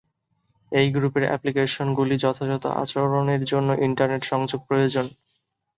এই গ্রুপের অ্যাপ্লিকেশনগুলির যথাযথ আচরণের জন্য ইন্টারনেট সংযোগ প্রয়োজন।